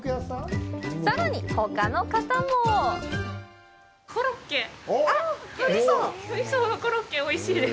さらに、ほかの方も鳥宗のコロッケ、おいしいです。